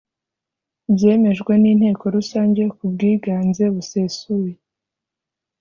byemejwe n Inteko Rusange ku bwiganze busesuye